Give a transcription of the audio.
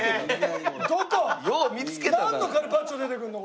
なんのカルパッチョ出てくるの？